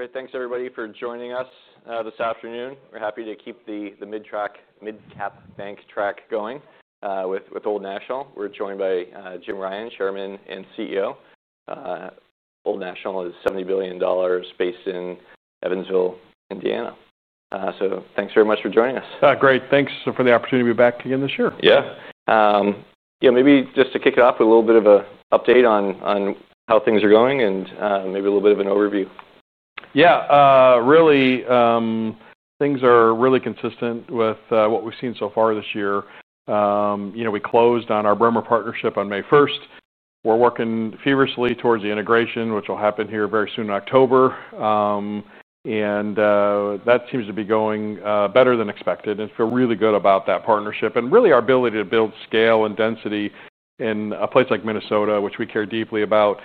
Great. Thanks, everybody, for joining us this afternoon. We're happy to keep the mid-cap bank track going with Old National. We're joined by Jim Ryan, Chairman and CEO. Old National is $70 billion based in Evansville, Indiana. Thanks very much for joining us. Great. Thanks for the opportunity to be back again this year. Yeah, maybe just to kick it off with a little bit of an update on how things are going and maybe a little bit of an overview. Yeah, really, things are really consistent with what we've seen so far this year. We closed on our Bremer partnership on May 1st. We're working feverishly towards the integration, which will happen here very soon in October. That seems to be going better than expected. I feel really good about that partnership and really our ability to build scale and density in a place like Minnesota, which we care deeply about,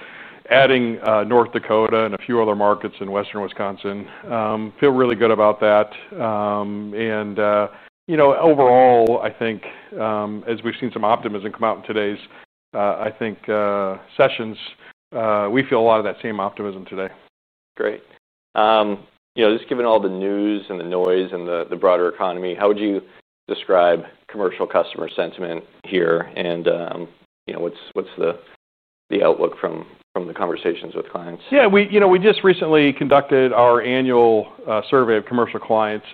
adding North Dakota and a few other markets in western Wisconsin. I feel really good about that. Overall, I think as we've seen some optimism come out in today's, I think, sessions, we feel a lot of that same optimism today. Great. Just given all the news and the noise in the broader economy, how would you describe commercial customer sentiment here? What's the outlook from the conversations with clients? Yeah, we just recently conducted our annual survey of commercial clients.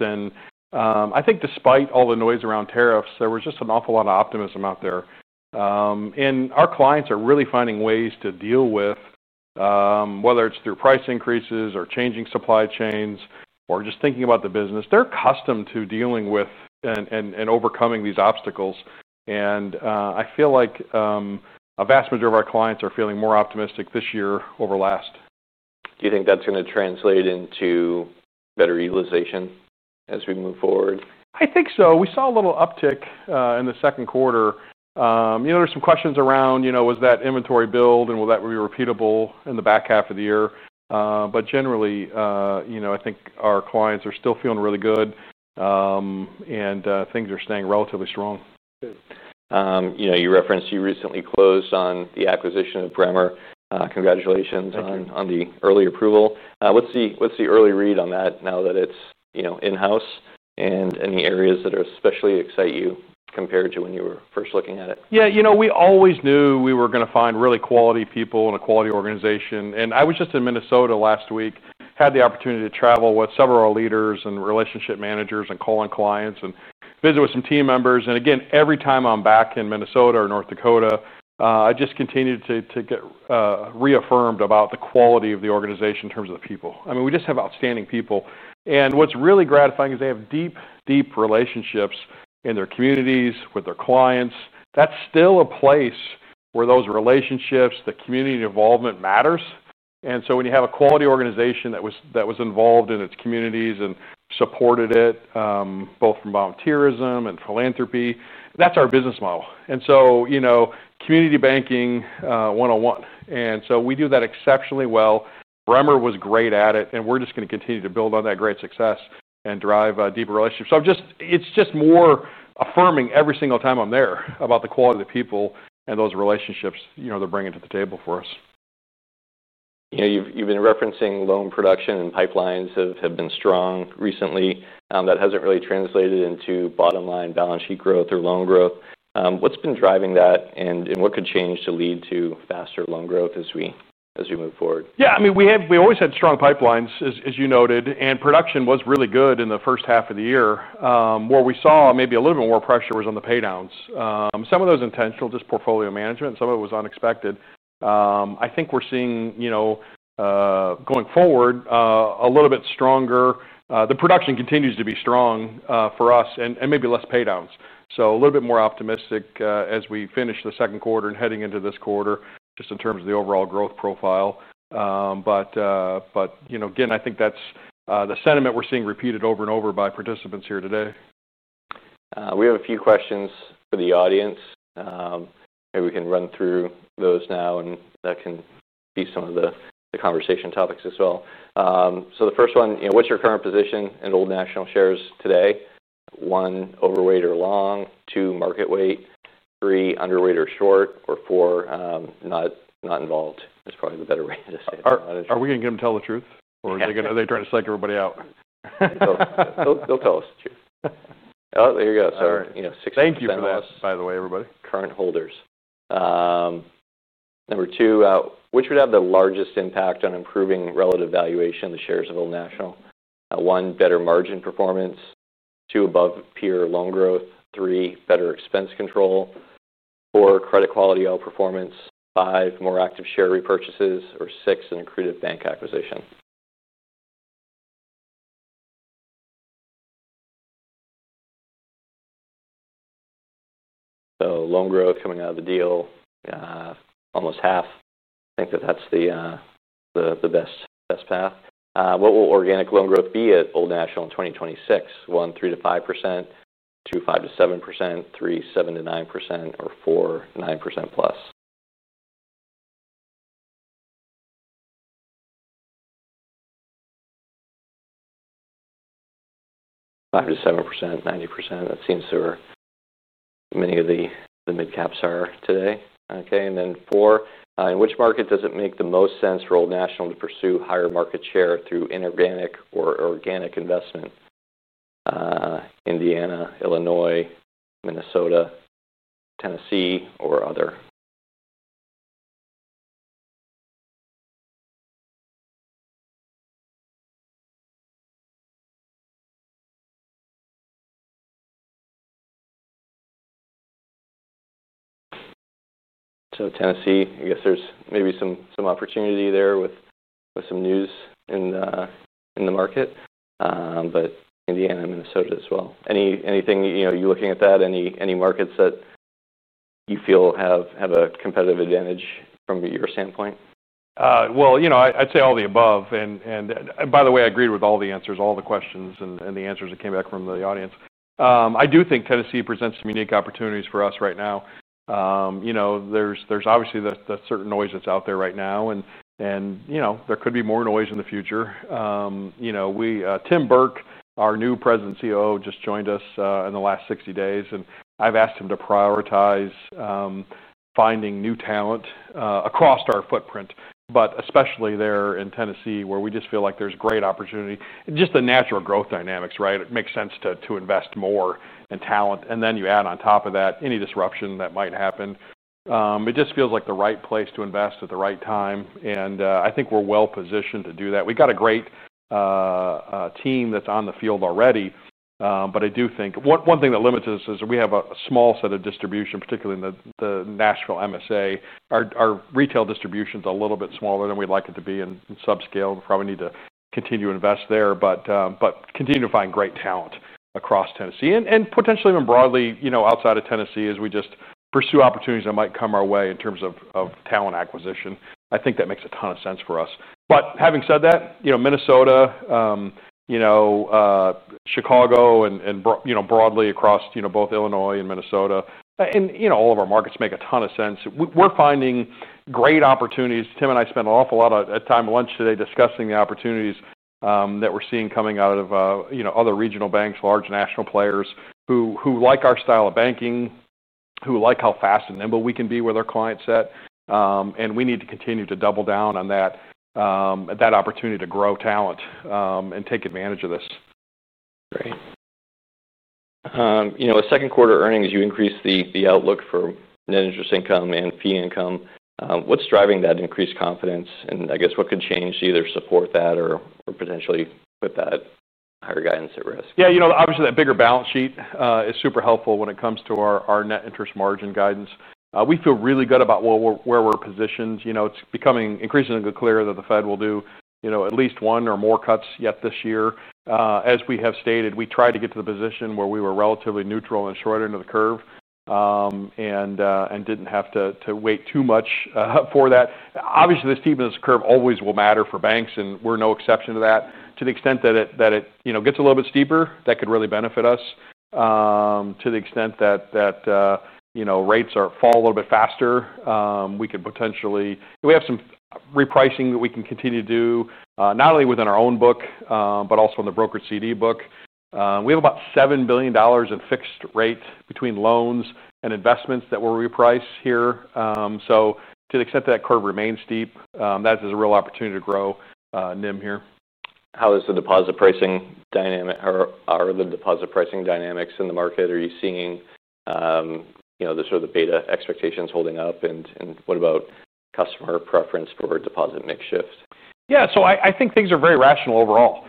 I think despite all the noise around tariffs, there was just an awful lot of optimism out there. Our clients are really finding ways to deal with whether it's through price increases or changing supply chains or just thinking about the business. They're accustomed to dealing with and overcoming these obstacles. I feel like a vast majority of our clients are feeling more optimistic this year over last. Do you think that's going to translate into better utilization as we move forward? I think so. We saw a little uptick in the second quarter. There are some questions around, you know, was that inventory build and will that be repeatable in the back half of the year? Generally, I think our clients are still feeling really good, and things are staying relatively strong. You referenced you recently closed on the acquisition of Bremer. Congratulations on the early approval. What's the early read on that now that it's in-house, and any areas that are especially exciting you compared to when you were first looking at it? Yeah, you know, we always knew we were going to find really quality people in a quality organization. I was just in Minnesota last week, had the opportunity to travel with several of our leaders and relationship managers and call in clients and visit with some team members. Every time I'm back in Minnesota or North Dakota, I just continue to get reaffirmed about the quality of the organization in terms of the people. I mean, we just have outstanding people. What's really gratifying is they have deep, deep relationships in their communities with their clients. That's still a place where those relationships, the community involvement matters. When you have a quality organization that was involved in its communities and supported it both from volunteerism and philanthropy, that's our business model. Community banking 101. We do that exceptionally well. Bremer Bank was great at it, and we're just going to continue to build on that great success and drive deeper relationships. I'm just, it's just more affirming every single time I'm there about the quality of the people and those relationships, you know, they're bringing to the table for us. You've been referencing loan production and pipelines have been strong recently. That hasn't really translated into bottom line balance sheet growth or loan growth. What's been driving that, and what could change to lead to faster loan growth as we move forward? Yeah, I mean, we have always had strong pipelines, as you noted. Production was really good in the first half of the year. Where we saw maybe a little bit more pressure was on the paydowns. Some of those intentional, just portfolio management, some of it was unexpected. I think we're seeing, you know, going forward a little bit stronger. The production continues to be strong for us and maybe less paydowns. A little bit more optimistic as we finish the second quarter and heading into this quarter just in terms of the overall growth profile. You know, again, I think that's the sentiment we're seeing repeated over and over by participants here today. We have a few questions for the audience. Maybe we can run through those now and that can be some of the conversation topics as well. The first one, what's your current position in Old National shares today? One, overweight or long. Two, market weight. Three, underweight or short. Four, not involved is probably the better way to say that. Are we going to get them to tell the truth, or are they trying to psych everybody out? They'll tell us the truth. There you go. Sorry. Thank you for this, by the way, everybody. Current holders. Number two, which would have the largest impact on improving relative valuation of the shares of Old National? One, better margin performance. Two, above peer loan growth. Three, better expense control. Four, credit quality outperformance. Five, more active share repurchases. Six, an accrued bank acquisition. Loan growth coming out of the deal, almost half. I think that that's the best path. What will organic loan growth be at Old National in 2026? One, 3% to 5%. Two, 5% to 7%. Three, 7% to 9%. Four, 9% plus. Five to 7%, 90%. That seems to be where many of the mid-caps are today. In which market does it make the most sense for Old National to pursue higher market share through inorganic or organic investment? Indiana, Illinois, Minnesota, Tennessee, or other. Tennessee, I guess there's maybe some opportunity there with some news in the market. Indiana, Minnesota as well. Are you looking at that? Any markets that you feel have a competitive advantage from your standpoint? I’d say all the above. By the way, I agreed with all the answers, all the questions, and the answers that came back from the audience. I do think Tennessee presents some unique opportunities for us right now. There’s obviously the certain noise that’s out there right now, and there could be more noise in the future. Tim Burke, our new President and CEO, just joined us in the last 60 days. I’ve asked him to prioritize finding new talent across our footprint, but especially there in Tennessee, where we just feel like there’s great opportunity. The natural growth dynamics make sense to invest more in talent. You add on top of that any disruption that might happen, and it just feels like the right place to invest at the right time. I think we’re well positioned to do that. We’ve got a great team that’s on the field already. I do think one thing that limits us is we have a small set of distribution, particularly in the Nashville MSA. Our retail distribution is a little bit smaller than we’d like it to be and subscale. We probably need to continue to invest there, but continue to find great talent across Tennessee and potentially even broadly, outside of Tennessee as we just pursue opportunities that might come our way in terms of talent acquisition. I think that makes a ton of sense for us. Having said that, Minnesota, Chicago, and broadly across both Illinois and Minnesota, and all of our markets make a ton of sense. We’re finding great opportunities. Tim and I spent an awful lot of time at lunch today discussing the opportunities that we’re seeing coming out of other regional banks, large national players who like our style of banking, who like how fast and nimble we can be with our client set. We need to continue to double down on that opportunity to grow talent and take advantage of this. Great. At second quarter earnings, you increased the outlook for net interest income and fee income. What's driving that increased confidence? What could change to either support that or potentially put that higher guidance at risk? Yeah, obviously that bigger balance sheet is super helpful when it comes to our net interest margin guidance. We feel really good about where we're positioned. It's becoming increasingly clear that the Fed will do at least one or more cuts yet this year. As we have stated, we tried to get to the position where we were relatively neutral and short end of the curve and didn't have to wait too much for that. Obviously, the steepness of the curve always will matter for banks, and we're no exception to that. To the extent that it gets a little bit steeper, that could really benefit us. To the extent that rates fall a little bit faster, we could potentially, we have some repricing that we can continue to do, not only within our own book, but also in the broker CD book. We have about $7 billion in fixed-rate between loans and investments that we'll reprice here. To the extent that that curve remains steep, that is a real opportunity to grow NIM here. How are the deposit pricing dynamics in the market? Are you seeing the beta expectations holding up? What about customer preference for deposit makeshift? Yeah, I think things are very rational overall.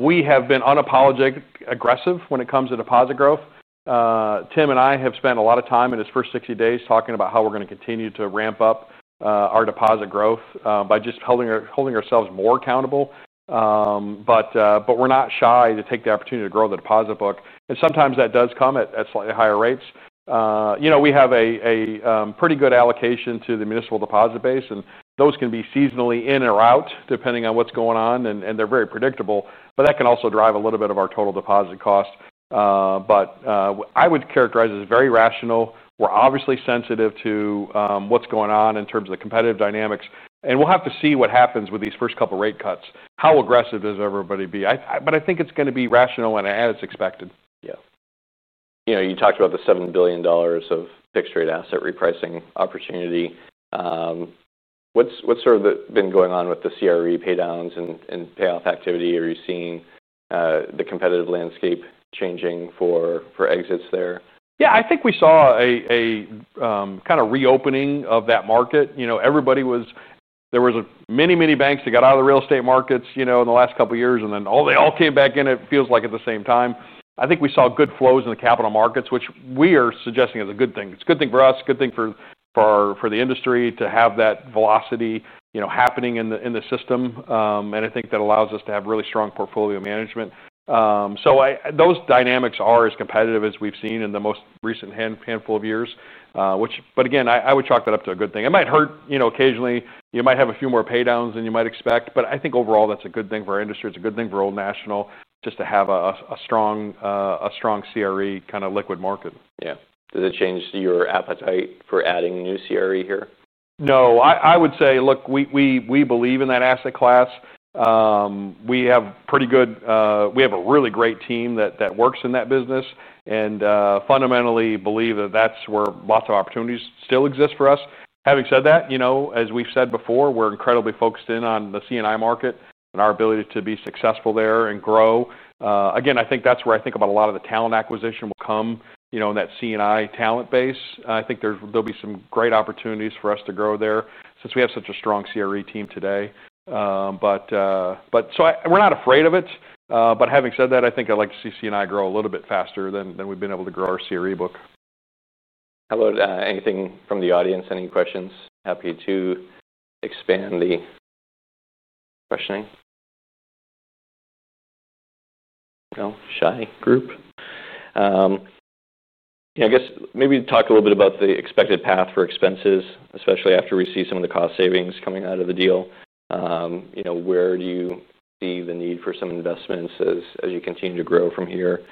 We have been unapologetically aggressive when it comes to deposit growth. Tim and I have spent a lot of time in his first 60 days talking about how we're going to continue to ramp up our deposit growth by just holding ourselves more accountable. We're not shy to take the opportunity to grow the deposit book, and sometimes that does come at slightly higher rates. We have a pretty good allocation to the municipal deposit base, and those can be seasonally in or out depending on what's going on. They're very predictable, but that can also drive a little bit of our total deposit cost. I would characterize it as very rational. We're obviously sensitive to what's going on in terms of the competitive dynamics. We'll have to see what happens with these first couple of rate cuts. How aggressive does everybody be? I think it's going to be rational and it's expected. Yeah. You know, you talked about the $7 billion of fixed-rate asset repricing opportunity. What's sort of been going on with the CRE paydowns and payoff activity? Are you seeing the competitive landscape changing for exits there? Yeah, I think we saw a kind of reopening of that market. You know, everybody was, there were many, many banks that got out of the real estate markets in the last couple of years. They all came back in, it feels like at the same time. I think we saw good flows in the capital markets, which we are suggesting is a good thing. It's a good thing for us, a good thing for the industry to have that velocity happening in the system. I think that allows us to have really strong portfolio management. Those dynamics are as competitive as we've seen in the most recent handful of years. I would chalk that up to a good thing. It might hurt, you know, occasionally, you might have a few more paydowns than you might expect. I think overall, that's a good thing for our industry. It's a good thing for Old National just to have a strong CRE kind of liquid market. Yeah. Does it change your appetite for adding new CRE here? No, I would say, look, we believe in that asset class. We have a really great team that works in that business and fundamentally believe that that's where lots of opportunities still exist for us. Having said that, as we've said before, we're incredibly focused in on the C&I market and our ability to be successful there and grow. Again, I think that's where I think about a lot of the talent acquisition will come, in that C&I talent base. I think there'll be some great opportunities for us to grow there since we have such a strong CRE team today. We're not afraid of it. Having said that, I think I'd like to see C&I grow a little bit faster than we've been able to grow our CRE book. Hello, anything from the audience? Any questions? Happy to expand the questioning. No, shy group. I guess maybe talk a little bit about the expected path for expenses, especially after we see some of the cost savings coming out of the deal. Where do you see the need for some investments as you continue to grow from here?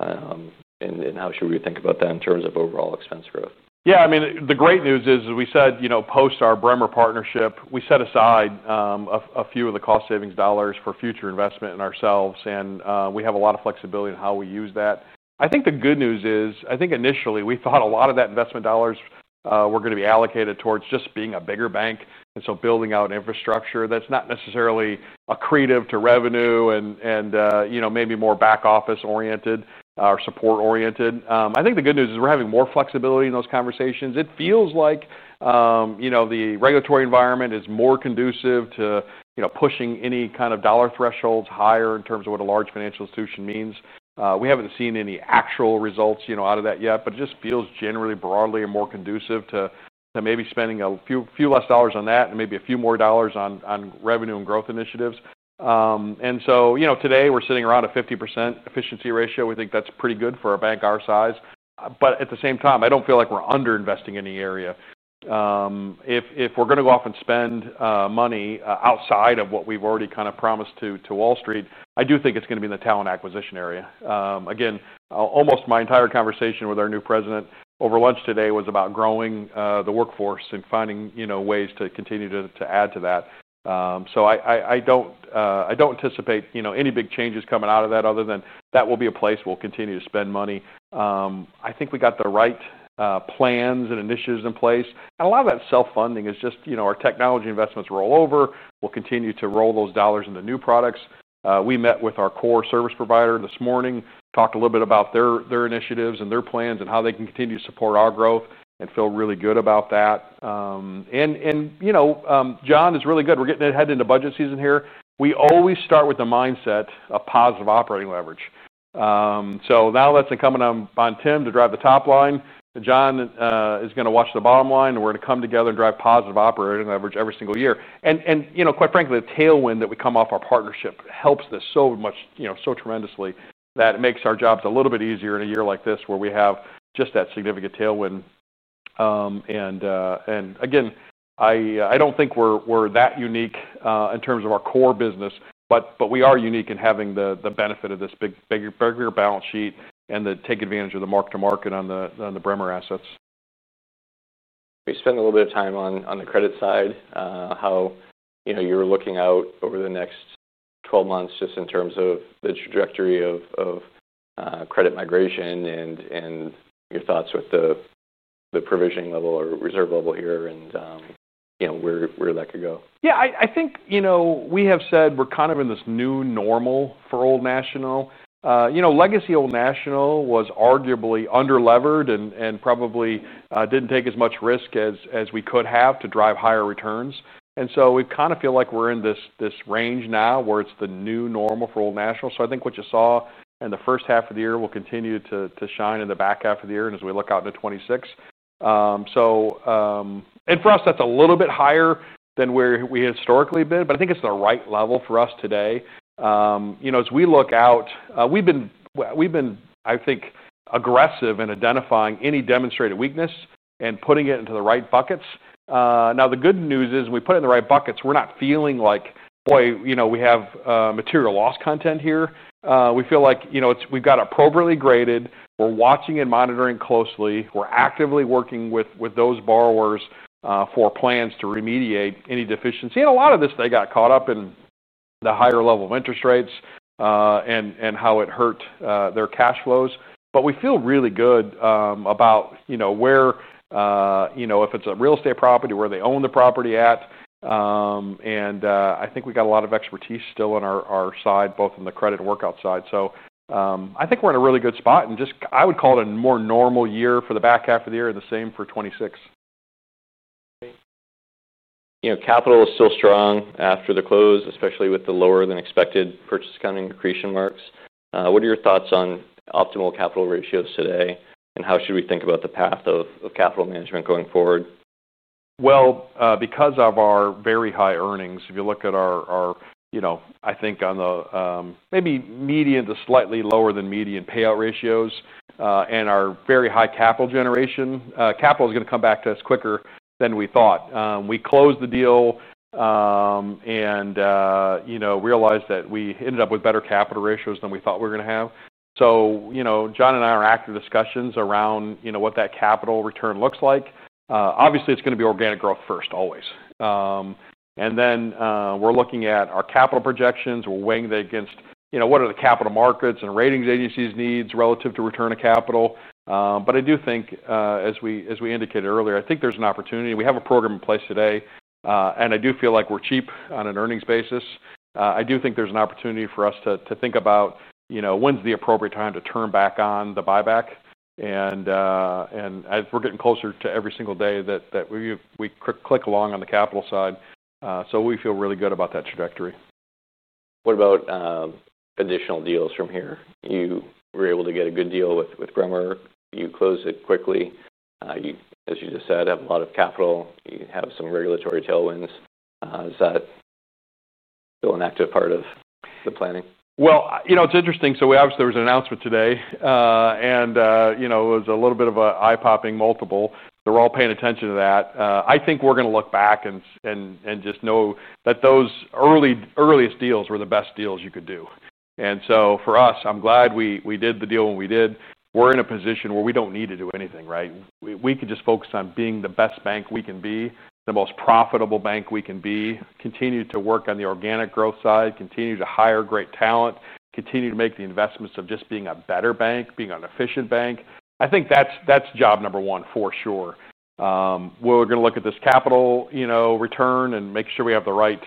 How should we think about that in terms of overall expense growth? Yeah, I mean, the great news is, as we said, you know, post our Bremer partnership, we set aside a few of the cost savings dollars for future investment in ourselves. We have a lot of flexibility in how we use that. I think the good news is, I think initially we thought a lot of that investment dollars were going to be allocated towards just being a bigger bank, building out infrastructure that's not necessarily accretive to revenue and, you know, maybe more back office oriented or support oriented. The good news is we're having more flexibility in those conversations. It feels like, you know, the regulatory environment is more conducive to, you know, pushing any kind of dollar thresholds higher in terms of what a large financial institution means. We haven't seen any actual results out of that yet, but it just feels generally broadly more conducive to maybe spending a few less dollars on that and maybe a few more dollars on revenue and growth initiatives. Today we're sitting around a 50% efficiency ratio. We think that's pretty good for a bank our size. At the same time, I don't feel like we're underinvesting in the area. If we're going to go off and spend money outside of what we've already kind of promised to Wall Street, I do think it's going to be in the talent acquisition area. Again, almost my entire conversation with our new President over lunch today was about growing the workforce and finding ways to continue to add to that. I don't anticipate any big changes coming out of that other than that will be a place we'll continue to spend money. I think we got the right plans and initiatives in place. A lot of that self-funding is just, you know, our technology investments roll over. We'll continue to roll those dollars into new products. We met with our core service provider this morning, talked a little bit about their initiatives and their plans and how they can continue to support our growth and feel really good about that. John is really good. We're getting ahead into budget season here. We always start with the mindset of positive operating leverage. Now that's incumbent on Tim to drive the top line. John is going to watch the bottom line. We're going to come together and drive positive operating leverage every single year. Quite frankly, the tailwind that we come off our partnership helps this so much, you know, so tremendously that it makes our jobs a little bit easier in a year like this where we have just that significant tailwind. I don't think we're that unique in terms of our core business, but we are unique in having the benefit of this bigger balance sheet and the ability to take advantage of the mark to market on the Bremer assets. We spent a little bit of time on the credit side, how you know you're looking out over the next 12 months just in terms of the trajectory of credit migration and your thoughts with the provisioning level or reserve level here, and you know, where that could go. Yeah, I think we have said we're kind of in this new normal for Old National. Legacy Old National was arguably under-levered and probably didn't take as much risk as we could have to drive higher returns. We kind of feel like we're in this range now where it's the new normal for Old National. I think what you saw in the first half of the year will continue to shine in the back half of the year and as we look out into 2026. For us, that's a little bit higher than where we historically have been, but I think it's the right level for us today. As we look out, we've been, I think, aggressive in identifying any demonstrated weakness and putting it into the right buckets. The good news is when we put it in the right buckets, we're not feeling like, boy, we have material loss content here. We feel like we've got it appropriately graded. We're watching and monitoring closely. We're actively working with those borrowers for plans to remediate any deficiency. A lot of this, they got caught up in the higher level of interest rates and how it hurt their cash flows. We feel really good about, if it's a real estate property, where they own the property at. I think we got a lot of expertise still on our side, both on the credit and workout side. I think we're in a really good spot. I would call it a more normal year for the back half of the year and the same for 2026. You know, capital is still strong after the close, especially with the lower than expected purchase count increase marks. What are your thoughts on optimal capital ratios today, and how should we think about the path of capital management going forward? Because of our very high earnings, if you look at our, you know, I think on the maybe median to slightly lower than median payout ratios and our very high capital generation, capital is going to come back to us quicker than we thought. We closed the deal and realized that we ended up with better capital ratios than we thought we were going to have. John and I are active discussions around, you know, what that capital return looks like. Obviously, it's going to be organic growth first, always. We are looking at our capital projections. We're weighing against, you know, what are the capital markets and ratings agencies' needs relative to return to capital. I do think, as we indicated earlier, I think there's an opportunity. We have a program in place today. I do feel like we're cheap on an earnings basis. I do think there's an opportunity for us to think about, you know, when's the appropriate time to turn back on the buyback. We're getting closer to every single day that we click along on the capital side. We feel really good about that trajectory. What about additional deals from here? You were able to get a good deal with Bremer. You closed it quickly. You, as you just said, have a lot of capital. You have some regulatory tailwinds. Is that still an active part of the planning? It's interesting. Obviously, there was an announcement today, and it was a little bit of an eye-popping multiple. They're all paying attention to that. I think we're going to look back and just know that those earliest deals were the best deals you could do. For us, I'm glad we did the deal when we did. We're in a position where we don't need to do anything, right? We could just focus on being the best bank we can be, the most profitable bank we can be, continue to work on the organic growth side, continue to hire great talent, continue to make the investments of just being a better bank, being an efficient bank. I think that's job number one for sure. We're going to look at this capital return and make sure we have the right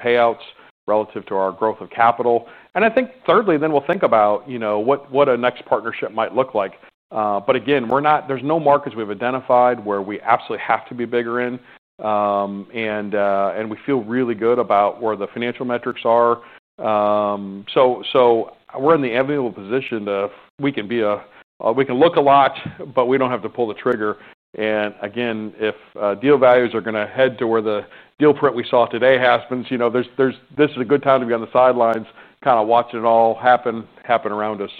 payouts relative to our growth of capital. I think thirdly, then we'll think about what a next partnership might look like. Again, there's no markets we've identified where we absolutely have to be bigger in. We feel really good about where the financial metrics are. We're in the amenable position to, we can look a lot, but we don't have to pull the trigger. Again, if deal values are going to head to where the deal print we saw today happens, this is a good time to be on the sidelines, kind of watch it all happen around us.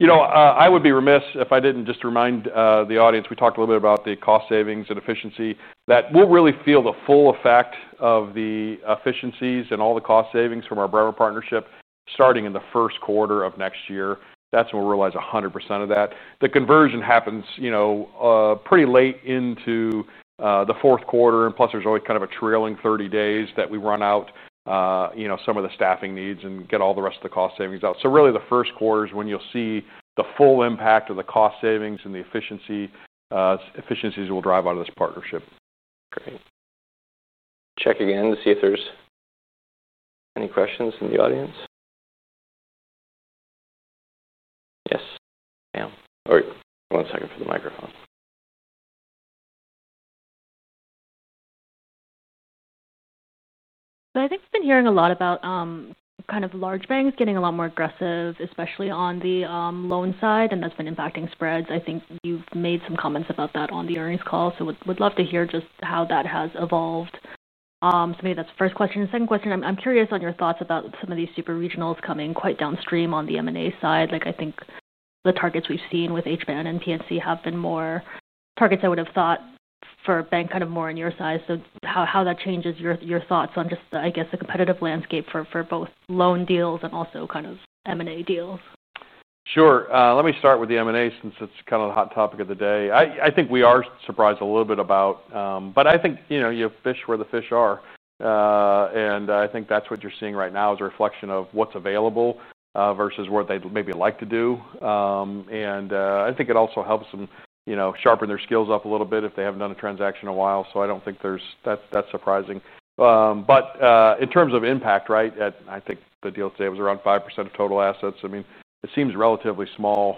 I would be remiss if I didn't just remind the audience, we talked a little bit about the cost savings and efficiency that we'll really feel the full effect of the efficiencies and all the cost savings from our Bremer Bank partnership starting in the first quarter of next year. That's when we'll realize 100% of that. The conversion happens pretty late into the fourth quarter, and plus, there's always kind of a trailing 30 days that we run out some of the staffing needs and get all the rest of the cost savings out. Really, the first quarter is when you'll see the full impact of the cost savings and the efficiencies we'll drive out of this partnership. Great. Check again to see if there's any questions in the audience. Yes, ma'am. All right, one second for the microphones. I think we've been hearing a lot about kind of large banks getting a lot more aggressive, especially on the loan side, and that's been impacting spreads. I think you've made some comments about that on the earnings call. We'd love to hear just how that has evolved. Maybe that's the first question. The second question, I'm curious on your thoughts about some of these super regionals coming quite downstream on the M&A side. I think the targets we've seen with HBand and PNC have been more targets I would have thought for a bank kind of more on your side. How that changes your thoughts on just, I guess, the competitive landscape for both loan deals and also kind of M&A deals. Sure. Let me start with the M&A since it's kind of the hot topic of the day. I think we are surprised a little bit about, but I think, you know, you have to fish where the fish are. I think that's what you're seeing right now is a reflection of what's available versus what they'd maybe like to do. I think it also helps them, you know, sharpen their skills up a little bit if they haven't done a transaction in a while. I don't think that's surprising. In terms of impact, right, I think the deal today was around 5% of total assets. I mean, it seems relatively small.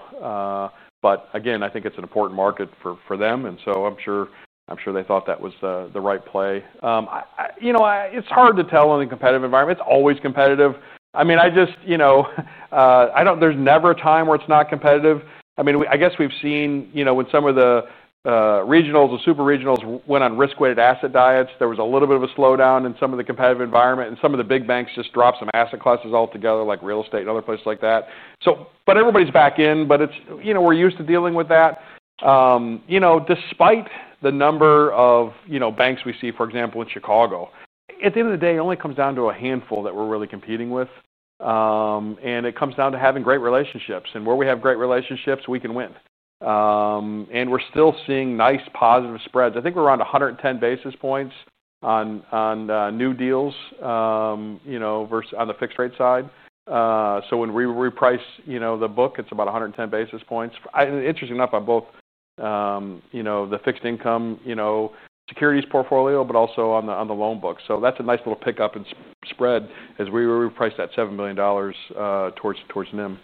Again, I think it's an important market for them. I'm sure they thought that was the right play. You know, it's hard to tell in a competitive environment. It's always competitive. I mean, I just, you know, I don't, there's never a time where it's not competitive. I guess we've seen, you know, when some of the regionals or super regionals went on risk-weighted asset diets, there was a little bit of a slowdown in some of the competitive environment. Some of the big banks just dropped some asset classes altogether, like real estate and other places like that. Everybody's back in. It's, you know, we're used to dealing with that. You know, despite the number of, you know, banks we see, for example, in Chicago, at the end of the day, it only comes down to a handful that we're really competing with. It comes down to having great relationships. Where we have great relationships, we can win. We're still seeing nice positive spreads. I think we're around 110 basis points on new deals, you know, versus on the fixed rate side. When we reprice, you know, the book, it's about 110 basis points. Interesting enough, on both, you know, the fixed income, you know, securities portfolio, but also on the loan book. That's a nice little pickup in spread as we reprice that $7 million towards NIM.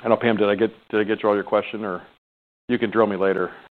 I don't know, Pam, did I get all your question or you can drill me later? Anyone else?